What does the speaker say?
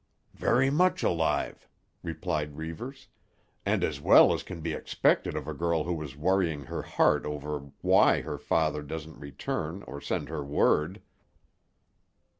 "Very much alive," replied Reivers, "and as well as can be expected of a girl who is worrying her heart out over why her father doesn't return or send her word."